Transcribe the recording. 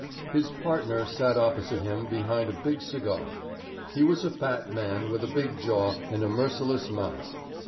His partner sat opposite him behind a big cigar. He was a fat man with a big jaw and a merciless mouth.